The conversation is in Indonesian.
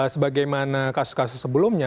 sebagaimana kasus kasus sebelumnya